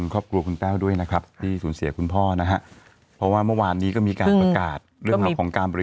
ครอบครัวคุณด้วยนะครับที่จูดเสียคุณพ่อนะฮะเพราะว่าเมื่อวานนี้ก็มีการประกาศ